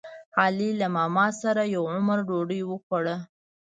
علي له ماماسره یو عمر ډوډۍ وخوړه.